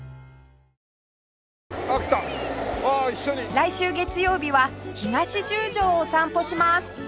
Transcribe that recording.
来週月曜日は東十条を散歩します